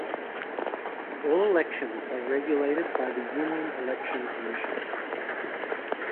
All elections are regulated by the Union Election Commission.